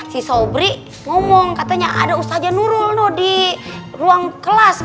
si sobri ngomong katanya ada ustadznya nurul loh di ruang kelas